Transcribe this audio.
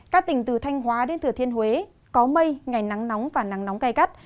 các tỉnh từ thanh hóa đến thừa thiên huế có mây ngày nắng nóng và nắng nóng gai gắt